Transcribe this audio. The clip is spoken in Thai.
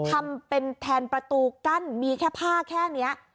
ทำเป็นแทนประตูกั้นมีแค่ผ้าแค่นี้